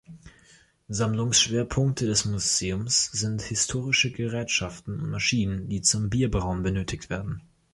Sammlungsschwerpunkte des Museums sind historische Gerätschaften und Maschinen, die zum Bierbrauen benötigt werden.